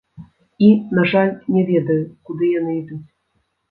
І, на жаль, не ведаю, куды яны ідуць.